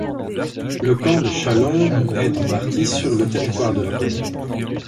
Le camp de Châlons est en partie sur le territoire de la commune.